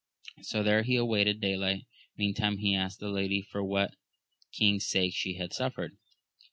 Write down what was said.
So there he awaited daylight; meantime he asked the lady, for what king's sake she had suffered.